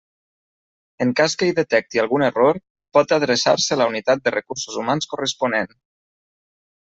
En cas que hi detecti algun error, pot adreçar-se a la unitat de recursos humans corresponent.